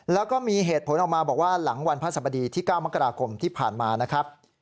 แล้วก็มีเหตุผลออกมาบอกว่าหลังวันพระสบดีที่๙มกราคมที่ผ่านมานะครับ